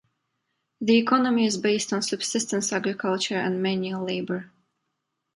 The economy is based on subsistence agriculture and menial labor.